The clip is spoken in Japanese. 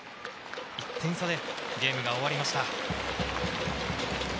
１点差でゲームが終わりました。